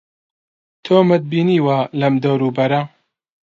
تۆمت بینیوە لەم دەوروبەرە؟